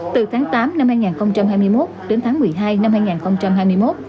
từ tháng tám năm hai nghìn hai mươi một đến tháng một mươi hai năm hai nghìn hai mươi một